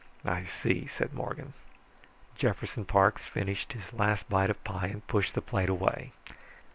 "I see," said Morgan. Jefferson Parks finished his last bite of pie and pushed the plate away.